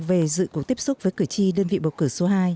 về dự cuộc tiếp xúc với cử tri đơn vị bầu cử số hai